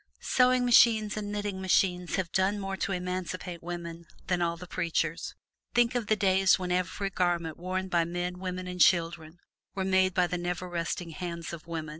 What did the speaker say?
Sewing machines and knitting machines have done more to emancipate women than all the preachers. Think of the days when every garment worn by men, women and children was made by the never resting hands of women!